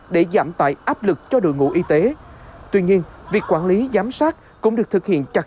để giảm tải áp lực cho đội ngũ y tế tuy nhiên việc quản lý giám sát cũng được thực hiện chặt